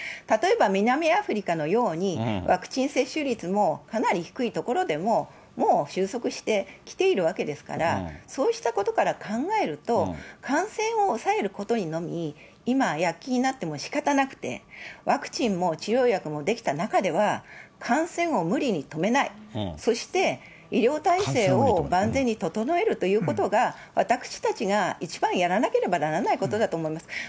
例えば、南アフリカのように、ワクチン接種率もかなり低い所でも、もう収束してきているわけですから、そうしたことから考えると、感染を抑えることにのみ、今やっきになってもしかたなくて、ワクチンも治療薬も出来た中では、感染を無理に止めない、そして医療体制を万全に整えるということが、私たちが一番やらなければならないことだと思います。